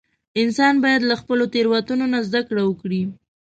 • انسان باید د خپلو تېروتنو نه زده کړه وکړي.